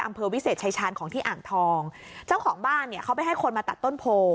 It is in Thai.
อำเภอวิเศษชายชาญของที่อ่างทองเจ้าของบ้านเนี่ยเขาไปให้คนมาตัดต้นโพ